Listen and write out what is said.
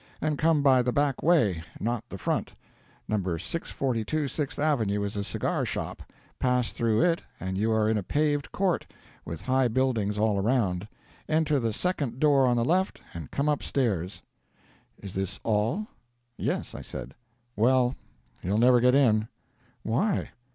And come by the back way, not the front. No. 642 Sixth Avenue is a cigar shop; pass through it and you are in a paved court, with high buildings all around; enter the second door on the left, and come up stairs." "Is this all?" "Yes," I said. "Well, you'll never get in" "Why?"